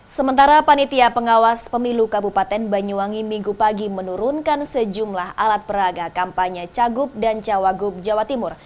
sementara panitia pengawas pemilu kabupaten banyuwangi minggu pagi menurunkan sejumlah alat peraga kampanye cagup dan cawagup jawa timur